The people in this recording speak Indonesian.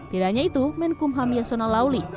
tidak hanya itu menkum ham yasona lawli